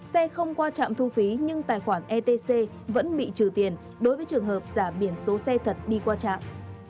xe không qua trạm thu phí nhưng tài khoản etc vẫn bị trừ tiền đối với trường hợp giả biển số xe thật đi qua trạm